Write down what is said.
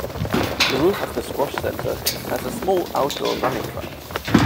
The roof of the Squash Center has a small outdoor running track.